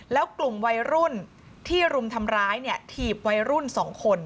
แล้วกลุ่มวัยรุ่นที่รุมทำร้ายเนี่ยถีบวัยรุ่น๒คน